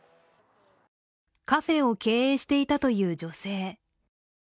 カフェを経営していたという女性。